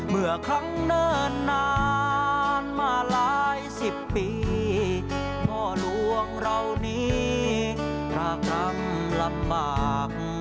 เมื่อครั้งเนิ่นนานมาหลายสิบปีพ่อหลวงเรานี้พระกรรมลำบาก